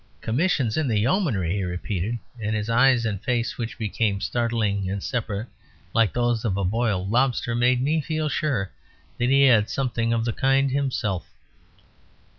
"Commissions in the Yeomanry!" he repeated, and his eyes and face, which became startling and separate, like those of a boiled lobster, made me feel sure that he had something of the kind himself.